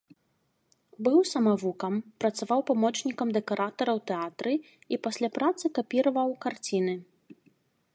Быў самавукам, працаваў памочнікам дэкаратара ў тэатры і пасля працы капіраваў карціны.